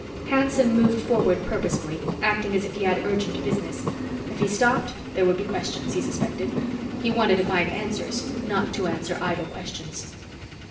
Hanson moved forward purposefully, acting as if he had urgent business. If he stopped, there would be questions, he suspected; he wanted to find answers, not to answer idle questions.